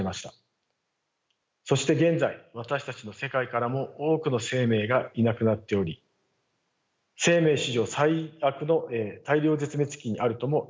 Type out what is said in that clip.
そして現在私たちの世界からも多くの生命がいなくなっており生命史上最悪の大量絶滅期にあるともいわれています。